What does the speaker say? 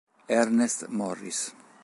Ernest Morris